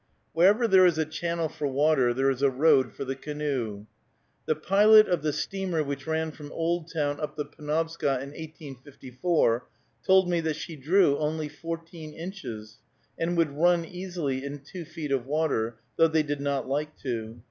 Wherever there is a channel for water, there is a road for the canoe. The pilot of the steamer which ran from Oldtown up the Penobscot in 1854 told me that she drew only fourteen inches, and would run easily in two feet of water, though they did not like to.